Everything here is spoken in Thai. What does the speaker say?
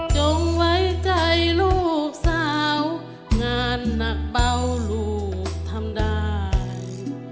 จงไว้ใจลูกสาวงานหนักเบาลูกทำได้